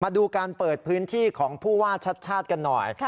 ดูการเปิดพื้นที่ของผู้ว่าชัดชาติกันหน่อย